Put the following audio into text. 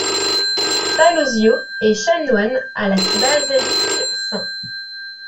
Palosio est chanoine à la basilique St.